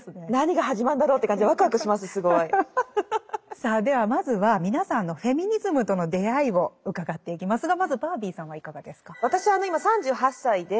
さあではまずは皆さんのフェミニズムとの出会いを伺っていきますがまずバービーさんはいかがですか。